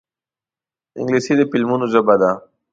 انګلیسي د فلمونو ژبه ده